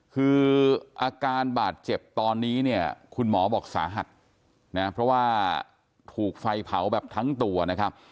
คืออาการบาดเจ็บตอนนี้เนี่ยคุณหมอบอกสาหัสนะเพราะว่าถูกไฟเผาแบบทั้งตัวนะครับ